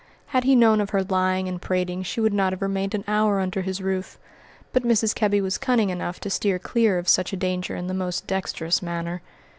Had he known of her lying and prating she would not have remained an hour under his roof; but Mrs. Kebby was cunning enough to steer clear of such a danger in the most dexterous manner.